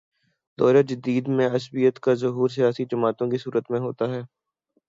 دور جدید میں عصبیت کا ظہور سیاسی جماعتوں کی صورت میں ہوتا ہے۔